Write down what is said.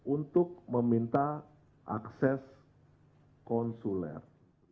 untuk meminta akses konsuler